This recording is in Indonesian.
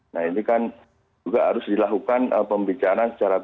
nah ini kan juga harus dilakukan pembicaraan secara